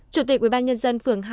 chủ tịch ubnd phường hai